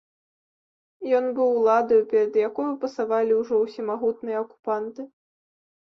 Ён быў уладаю, перад якою пасавалі ўжо ўсемагутныя акупанты.